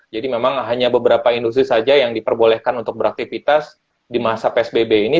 jadi memang hanya beberapa industri saja yang diperbolehkan untuk beraktivitas di masa psbb ini